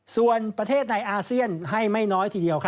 ส่วนประเทศในอาเซียนให้ไม่น้อยทีเดียว